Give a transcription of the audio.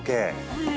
はい。